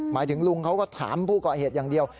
ถึงลุงเขาก็ถามผู้ก่อเหตุอย่างเดียว